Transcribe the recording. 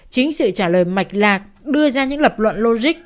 chính sự trả lời mạch lạc đưa ra những lập luận logic